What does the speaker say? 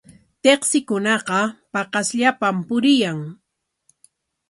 Tsiktsikunaqa paqasllapam puriyan.